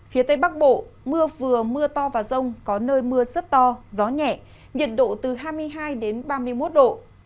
phía tây bắc bộ mưa vừa mưa to và rông có nơi mưa rất to gió nhẹ nhiệt độ từ hai mươi hai đến ba mươi một độ